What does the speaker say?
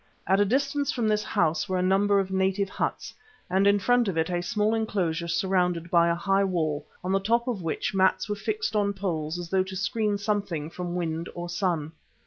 At a distance from this house were a number of native huts, and in front of it a small enclosure surrounded by a high wall, on the top of which mats were fixed on poles as though to screen something from wind or sun.